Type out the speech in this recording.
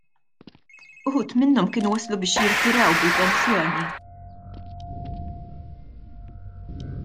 Uħud minnhom kienu waslu biex jirtiraw bil-pensjoni!